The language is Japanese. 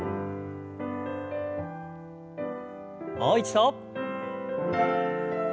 もう一度。